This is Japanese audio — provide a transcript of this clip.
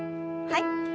はい。